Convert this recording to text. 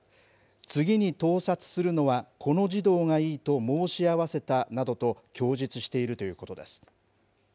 次に盗撮するのはこの児童がいいと申し合せたなどと供述しているということです。